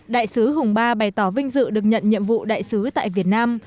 đại sứ hùng ba bày tỏ vinh dự được nhận nhiệm vụ đại sứ tại việt nam